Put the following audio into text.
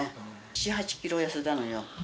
７、８キロ痩せたのよ。